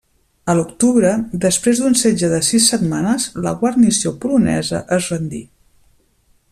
A l'octubre, després d'un setge de sis setmanes, la guarnició polonesa es rendí.